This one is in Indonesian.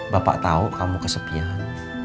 bapak tahu kamu kesepian